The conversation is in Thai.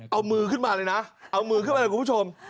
เอามือขึ้นมาเลยนะเอามือขึ้นมาเลยคุณผู้ชม